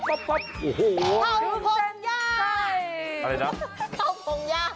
เฮ้ยคนเล่นจอสอบใจเยอะเลย